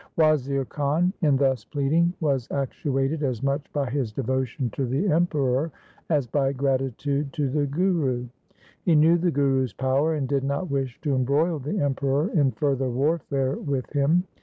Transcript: Wazir Khan in thus pleading was actuated as much by his devotion to the Emperor as by gratitude to the Guru. He knew the Guru's power, and did not wish to embroil the Emperor in further warfare with him.